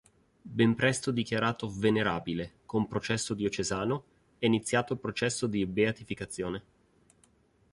Ben presto dichiarato "venerabile" con processo diocesano, è iniziato il processo di beatificazione.